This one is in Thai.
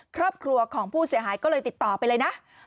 ครอบครัวของผู้เสียหายก็เลยติดต่อไปเลยนะ